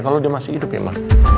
kalau dia masih hidup ya mas